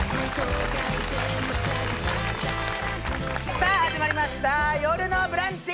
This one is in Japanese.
さあ始まりました「よるのブランチ」